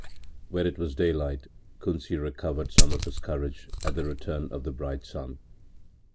When it was daylight Kunsi recovered some of his courage at the return of the bright sun.